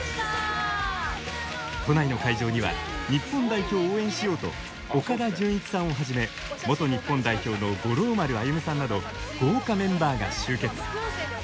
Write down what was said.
都内の会場には日本代表を応援しようと岡田准一さんをはじめ元日本代表の五郎丸歩さんなど豪華メンバーが集結。